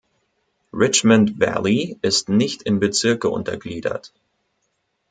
Richmond Valley ist nicht in Bezirke untergliedert.